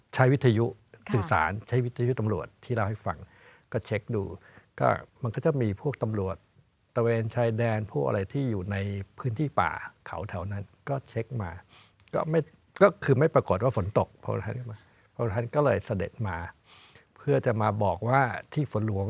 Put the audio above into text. วิทยุสื่อสารใช้วิทยุตำรวจที่เล่าให้ฟังก็เช็คดูก็มันก็จะมีพวกตำรวจตะเวนชายแดนพวกอะไรที่อยู่ในพื้นที่ป่าเขาแถวนั้นก็เช็คมาก็ไม่ก็คือไม่ปรากฏว่าฝนตกเพราะท่านก็เลยเสด็จมาเพื่อจะมาบอกว่าที่ฝนหลวง